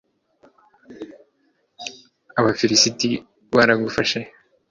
abafilisiti baragufashe